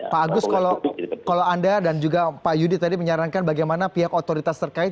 pak agus kalau anda dan juga pak yudi tadi menyarankan bagaimana pihak otoritas terkait